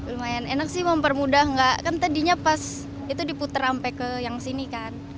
lumayan enak sih mempermudah nggak kan tadinya pas itu diputer sampai ke yang sini kan